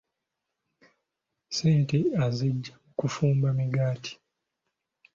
Ssente aziggya mu kufumba migaati.